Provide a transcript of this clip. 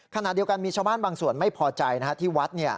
ขณะเดียวกันมีชาวบ้านบางส่วนไม่พอใจที่วัด